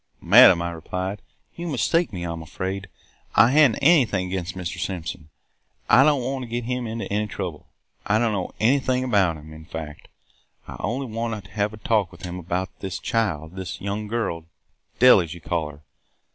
"'Madam,' I replied, 'you mistake me, I 'm afraid. I have n't anything against Mr. Simpson. I don't want to get him into any trouble. I don't know anything about him, in fact. I only want to have a talk with him about this child – this young girl – Dell, as you call her.